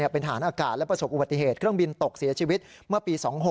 เป็นฐานอากาศและประสบอุบัติเหตุเครื่องบินตกเสียชีวิตเมื่อปี๒๖